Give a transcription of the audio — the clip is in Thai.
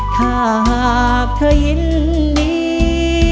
ถ้าหากเธอยินดี